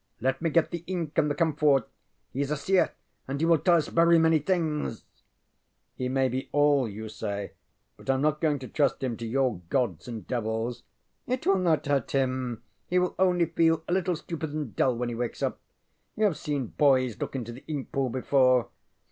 Let me get the ink and the camphor. He is a seer and he will tell us very many things. ŌĆØ ŌĆ£He may be all you say, but IŌĆÖm not going to trust him to your Gods and devils. ŌĆØ ŌĆ£It will not hurt him. He will only feel a little stupid and dull when he wakes up. You have seen boys look into the ink pool before.